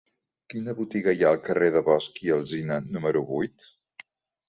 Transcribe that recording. Quina botiga hi ha al carrer de Bosch i Alsina número vuit?